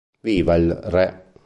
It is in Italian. Viva il Re.